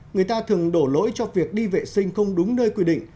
người ta thường đổ lỗi cho việc đi vệ sinh không đúng nơi quy định